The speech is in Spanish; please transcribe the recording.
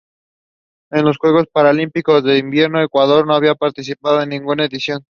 En los Juegos Paralímpicos de Invierno Ecuador no ha participado en ninguna edición.